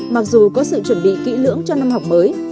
mặc dù có sự chuẩn bị kỹ lưỡng cho năm học mới